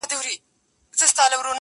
• نه د عقل نه د کار وه نه د کور وه -